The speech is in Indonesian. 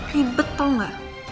ribet tau gak